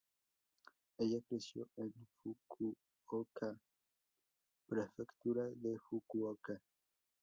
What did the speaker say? Ella creció en Fukuoka, prefectura de Fukuoka.